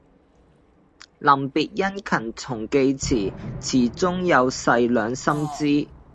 臨別殷勤重寄詞，詞中有誓兩心知。